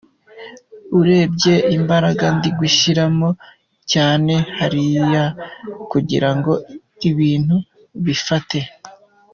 Urebye imbaraga ndi gushyiramo cyane hariya kugira ngo ibintu bifate.